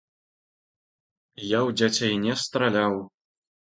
Я ў дзяцей не страляў.